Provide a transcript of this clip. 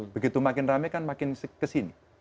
begitu makin rame kan makin kesini